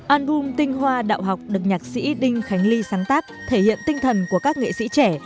alum tinh hoa đạo học được nhạc sĩ đinh khánh ly sáng tác thể hiện tinh thần của các nghệ sĩ trẻ